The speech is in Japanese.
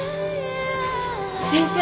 先生。